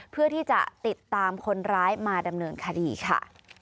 เพื่อที่จะติดตามคนร้ายมาดำเนินคดีค่ะ